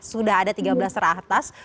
sudah ada tiga belas teratas